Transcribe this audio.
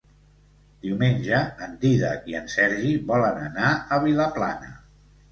Diumenge en Dídac i en Sergi volen anar a Vilaplana.